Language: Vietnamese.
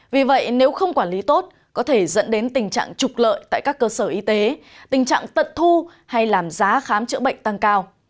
vì vậy nếu không quản lý tốt có thể dẫn đến tình trạng trục lợi tại các cơ sở y tế tình trạng tận thu hay làm giá khám chữa bệnh tăng cao